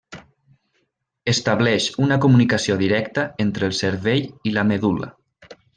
Estableix una comunicació directa entre el cervell i la medul·la.